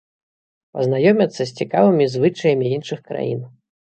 Пазнаёмяцца з цікавымі звычаямі іншых краін.